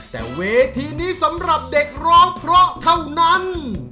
แต่เวทีนี้สำหรับเด็กร้องเพราะเท่านั้น